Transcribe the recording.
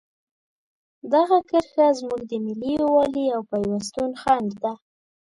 دغه کرښه زموږ د ملي یووالي او پیوستون خنډ ده.